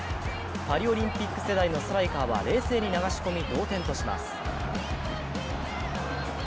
パリオリンピック世代のストライカーは冷静に流し込み同点とします。